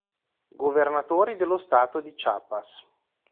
Governatori dello stato di Chiapas